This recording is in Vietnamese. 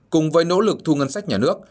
cùng với nỗ lực thu ngân sách nhà nước